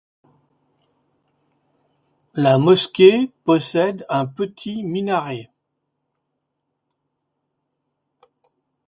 La mosquée possède un petit minaret.